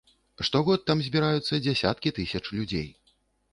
Штогод там збіраюцца дзясяткі тысяч людзей.